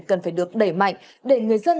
cần phải được đẩy mạnh để người dân